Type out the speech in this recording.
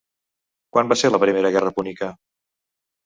Quan va ser la Primera Guerra Púnica?